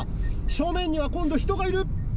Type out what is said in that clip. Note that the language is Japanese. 正面には今度、人がいる！